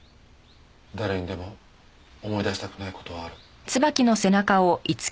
誰にでも思い出したくない事はある。